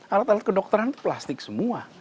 alat alat kedokteran itu plastik semua